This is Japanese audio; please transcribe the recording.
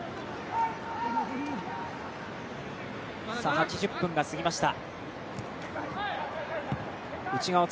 ８０分が過ぎました。